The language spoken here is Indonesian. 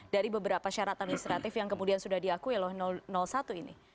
dari beberapa syarat administratif yang kemudian sudah diakui oleh satu ini